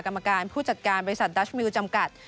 กรรมการผู้จัดการบริษัทดัชมิวจำกัด